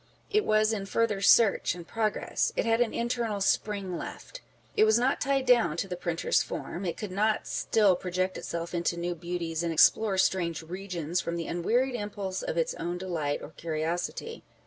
It was in further search and progress. It had an internal spring left. It was not tied down to the printer's form. It could still project itself into new beauties, and explore strange regions from the unwearied impulse of its own delight or curiosity.